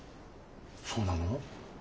そうなの？